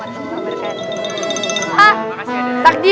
hah takdil takdil